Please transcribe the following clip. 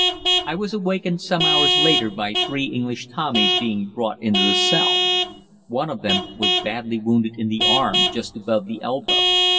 I was awakened some hours later by three English Tommies being brought into the cell. One of them was badly wounded in the arm just above the elbow.